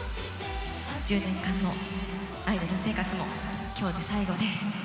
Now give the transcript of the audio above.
１０年間のアイドル生活もきょうで最後です。